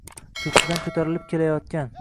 ko'ksidan ko'tarilib kelayotgan